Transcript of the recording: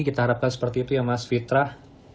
kita harapkan seperti itu ya mas fitra